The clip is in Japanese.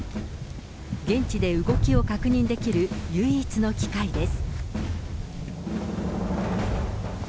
現地で動きを確認できる唯一の機会です。